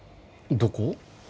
どこ？